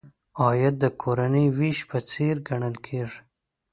عاید د کورنۍ وېش په څېر ګڼل کیږي.